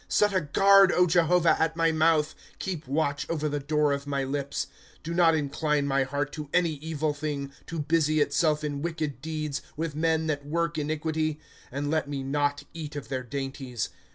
^ Set a guard, Jehovah, at my mouth ; Keep watch over the door of my lips, * Do not incline my heart to any evil thing. To busy itself in wicked deeds, "With men that work iniquity ; And let me not eat of their dainties.